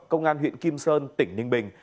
công an huyện kim sơn tỉnh ninh bình